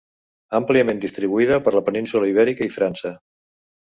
Àmpliament distribuïda per la península Ibèrica i França.